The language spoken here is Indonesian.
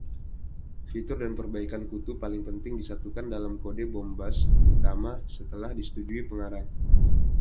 Fitur dan perbaikan kutu paling penting disatukan dalam kode Bombus utama setelah disetujui pengarang.